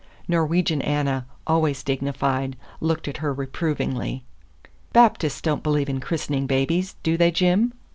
Norwegian Anna, always dignified, looked at her reprovingly. "Baptists don't believe in christening babies, do they, Jim?"